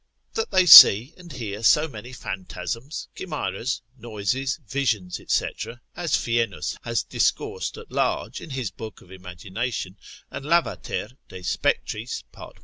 That they see and hear so many phantasms, chimeras, noises, visions, &c. as Fienus hath discoursed at large in his book of imagination, and Lavater de spectris, part.